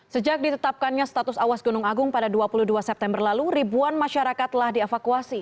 sejak ditetapkannya status awas gunung agung pada dua puluh dua september lalu ribuan masyarakat telah dievakuasi